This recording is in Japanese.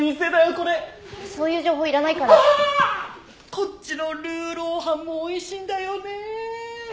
こっちのルーローハンもおいしいんだよね。